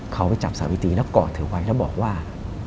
เขาไปจับสาวิตรีแล้วกอดเธอไว้แล้วบอกว่า